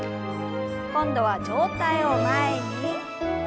今度は上体を前に。